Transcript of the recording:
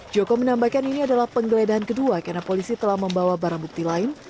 joko menambahkan ini adalah penggeledahan kedua karena polisi telah membawa barang bukti lain